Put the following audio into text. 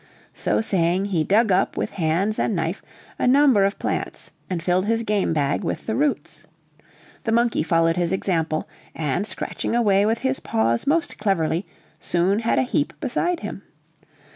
So saying, he dug up, with hands and knife, a number of plants, and filled his game bag with the roots. The monkey followed his example, and scratching away with his paws most cleverly, soon had a heap beside him.